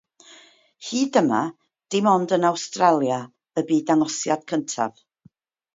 Hyd yma, dim ond yn Awstralia y bu dangosiad cyntaf.